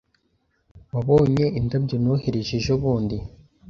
Wabonye indabyo nohereje ejobundi?